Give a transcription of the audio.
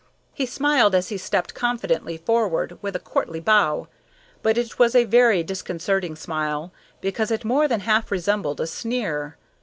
He smiled as he stepped confidently forward, with a courtly bow, but it was a very disconcerting smile, because it more than half resembled a sneer.